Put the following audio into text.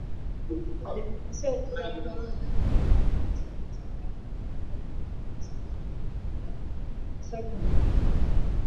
Wademokrasia walitumia muda wao mwingi waliopewa kuzungumza kwa ukaribu na Jackson, badala ya kuuliza maswali ya moja kwa moja